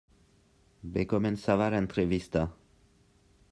Bé començava l'entrevista.